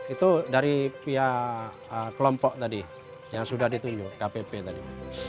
itu dari pihak kelompok tadi yang sudah ditunjuk kpp tadi